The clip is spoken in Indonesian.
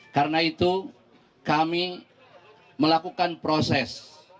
karena itu kami melakukan proses